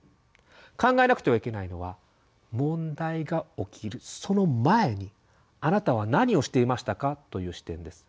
考えなくてはいけないのは「問題が起きるその前にあなたは何をしていましたか？」という視点です。